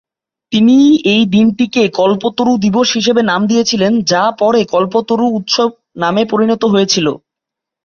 তিনিই এই দিনটিকে কল্পতরু দিবস নাম দিয়েছিলেন, যা পরে কল্পতরু উৎসব নামে পরিণত হয়েছিল।